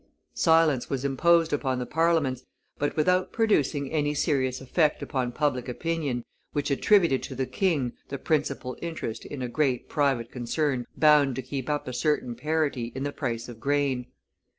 Silence was imposed upon the Parliaments, but without producing any serious effect upon public opinion, which attributed to the king the principal interest in a great private concern bound to keep up a certain parity in the price of grain.